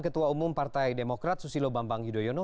ketua umum partai demokrat susilo bambang yudhoyono